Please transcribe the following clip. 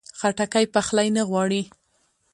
خټکی پخلی نه غواړي.